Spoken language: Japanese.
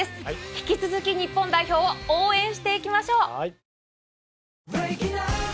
引き続き日本代表を応援していきましょう。